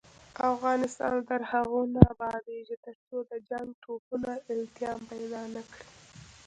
افغانستان تر هغو نه ابادیږي، ترڅو د جنګ ټپونه التیام پیدا نکړي.